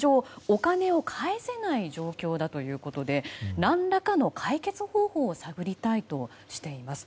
お金を返せない状況だということで何らかの解決方法を探りたいとしています。